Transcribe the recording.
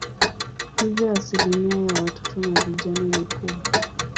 Hivyo asilimia ya watoto na vijana ni kubwa.